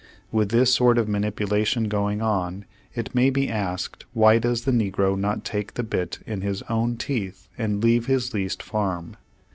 With this sort of manipulation going on, it may be asked, why does the negro not take the bit in his own teeth and leave his leased farm?